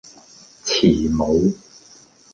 慈母